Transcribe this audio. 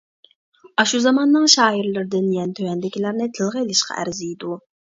ئاشۇ زاماننىڭ شائىرلىرىدىن يەنە تۆۋەندىكىلەرنى تىلغا ئېلىشقا ئەرزىيدۇ.